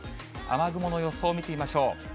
雨雲の予想を見てみましょう。